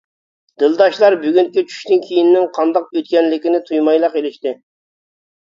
دىلداشلار بۈگۈنكى چۈشتىن كېيىننىڭ قانداق ئۆتكەنلىكىنى تۇيمايلا قېلىشتى.